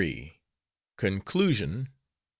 CONCLUSION.